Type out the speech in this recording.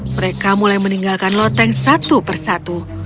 mereka mulai meninggalkan loteng satu per satu